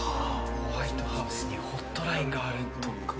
ホワイトハウスにホットラインがあるとか？